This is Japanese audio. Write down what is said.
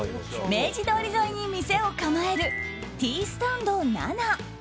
明治通り沿いに店を構えるティースタンドナナ。